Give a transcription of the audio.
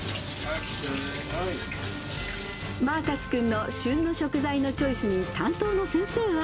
マーカス君の旬の食材のチョイスに担当の先生は。